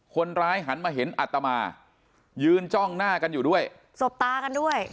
หันมาเห็นอัตมายืนจ้องหน้ากันอยู่ด้วยสบตากันด้วย